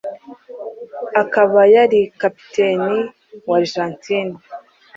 akaba yari kapiteni wa Argentine